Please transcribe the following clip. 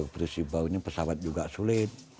putus ibau ini pesawat juga sulit